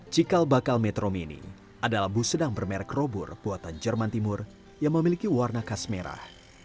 cikal bakal metro mini adalah bus sedang bermerek robor buatan jerman timur yang memiliki warna kas merah